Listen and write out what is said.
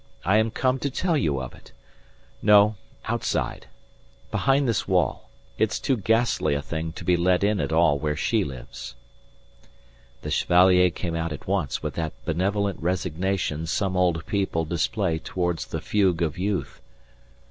I am come to tell you of it. No outside. Behind this wall. It's too ghastly a thing to be let in at all where she lives." The Chevalier came out at once with that benevolent resignation some old people display towards the fugue of youth.